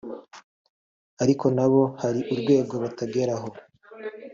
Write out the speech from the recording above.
ariko na bo hari urwego batarageraho